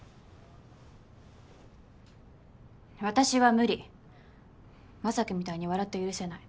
私は無理将暉みたいに笑って許せない。